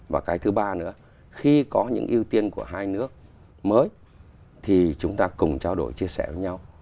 và cái thứ ba nữa khi có những ưu tiên của hai nước mới thì chúng ta cùng trao đổi chia sẻ với nhau